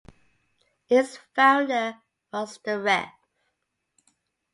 Its founder was the Rev.